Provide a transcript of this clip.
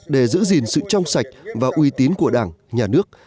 để giữ gìn sự trong sạch và uy tín của đảng nhà nước